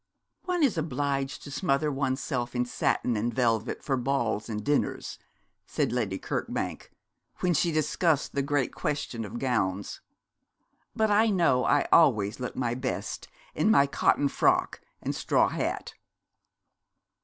'One is obliged to smother one's self in satin and velvet for balls and dinners,' said Lady Kirkbank, when she discussed the great question of gowns; 'but I know I always look my best in my cotton frock and straw hat.'